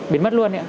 biến mất luôn